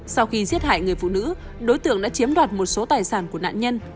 sau khi giết hại người phụ nữ đối tượng đã chiếm đoạt một số tài sản của nạn nhân